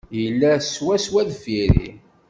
Yella swaswa deffir-i.